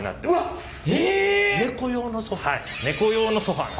うわっ！ネコ用のソファー。